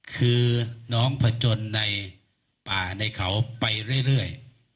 คือน้องผจญในป่าในเขาไปเรื่อย